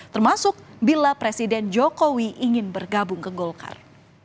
termasuk bila presiden jokowi ingin bergabung ke golkar